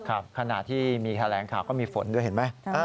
ครับขนาดที่มีแคลงข่าวก็มีฝนด้วยเห็นไหม